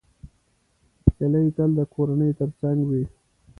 هیلۍ تل د کورنۍ تر څنګ وي